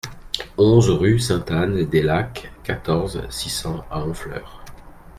onze rue Saint-Anne-des-Lacs, quatorze, six cents à Honfleur